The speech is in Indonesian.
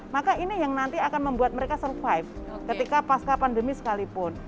maka ini yang nanti akan membuat mereka survive ketika pasca pandemi sekalipun